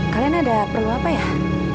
kalian ada perlu apa ya